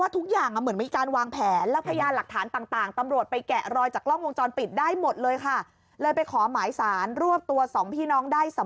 เทลค่ะวางแผนทางเป็นอย่างดี